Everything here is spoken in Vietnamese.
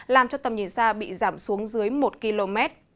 làm cho tầm nhìn xa bị giảm xuống dưới một km